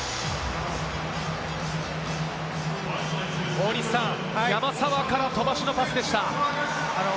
大西さん、山沢から飛ばしのパスでした。